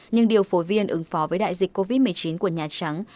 nhưng điều phối viên ứng phó với đại dịch covid một mươi chín của nhà trắng